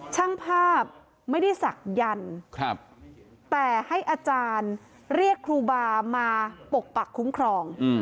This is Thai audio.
ช่างภาพไม่ได้ศักดิ์แต่ให้อาจารย์เรียกครูบามาปกปักคุ้มครอง